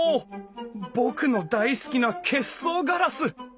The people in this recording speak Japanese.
僕の大好きな結霜ガラス！